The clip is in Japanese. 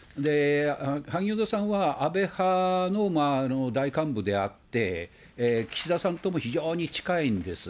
萩生田さんは安倍派の大幹部であって、岸田さんとも非常に近いんです。